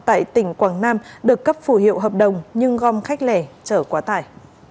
tại tỉnh quảng nam được cấp phủ hiệu hợp đồng nhưng gom khách lẻ trở quá tải